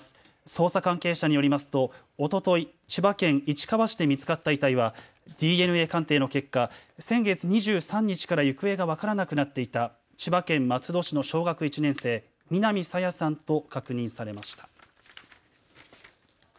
捜査関係者によりますとおととい千葉県市川市て見つかった遺体はＤＮＡ鑑定の結果、先月２３日から行方が分からなくなっていた千葉県松戸市の小学１年生、南朝芽さんと確認されました。